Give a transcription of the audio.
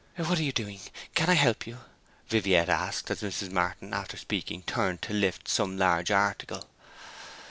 'What are you doing? Can I help you?' Viviette asked, as Mrs. Martin, after speaking, turned to lift some large article.